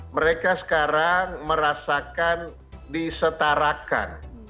mereka sekarang merasakan disetarakan